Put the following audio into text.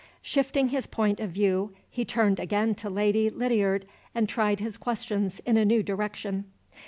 Shifting his point of view, he turned again to Lady Lydiard, and tried his questions in a new direction.